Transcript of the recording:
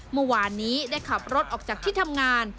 เมื่อวานนี้ได้ขับรถออกจากที่ทำงาน